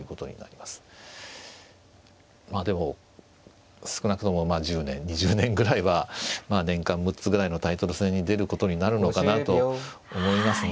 まあでも少なくとも１０年２０年ぐらいは年間６つぐらいのタイトル戦に出ることになるのかなと思いますね。